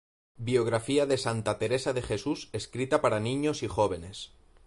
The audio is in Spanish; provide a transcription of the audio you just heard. Biografía de Santa Teresa de Jesús escrita para niños y jóvenes.